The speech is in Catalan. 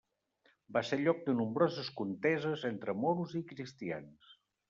Va ser lloc de nombroses conteses entre moros i cristians.